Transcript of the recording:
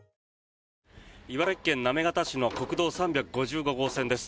茨城県行方市の国道３５５号線です。